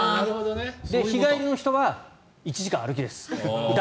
日帰りの人は１時間歩きです。